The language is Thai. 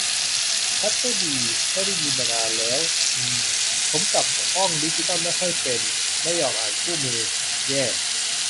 ชัตเตอร์บี ไม่ได้ยินมานานมากแล้ว อืม ผมปรับกล้องดิจิทัลไม่ค่อยเป็น ไม่ยอมอ่านคู่มือ แย่